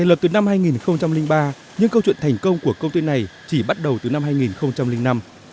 năm hai nghìn ba những câu chuyện thành công của công ty này chỉ bắt đầu từ năm hai nghìn năm